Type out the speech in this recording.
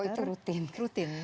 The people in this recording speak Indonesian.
oh itu rutin